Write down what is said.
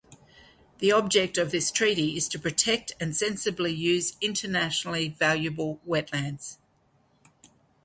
The object of this treaty is to protect and sensibly use internationally valuable wetlands.